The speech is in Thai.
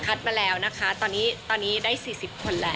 มาแล้วนะคะตอนนี้ได้๔๐คนแล้ว